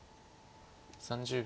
３０秒。